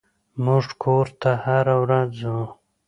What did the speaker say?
موږ کور ته هره ورځ ځو.